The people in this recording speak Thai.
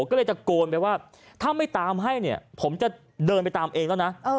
ก็เลยตะโกนไปว่าถ้าไม่ตามให้เนี่ยผมจะเดินไปตามเองแล้วนะ